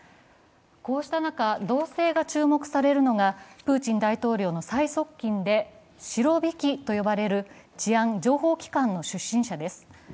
こうした中、動静が注目されるのがプーチン大統領の最側近でシロビキと呼ばれる治安・情報機関の出身者です。